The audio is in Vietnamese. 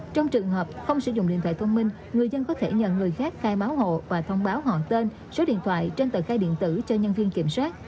trong trường hợp không sử dụng điện thoại thông minh người dân có thể nhận người khác khai báo hộ và thông báo họ tên số điện thoại trên tờ khai điện tử cho nhân viên kiểm soát